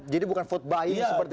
jadi bukan vote buy in seperti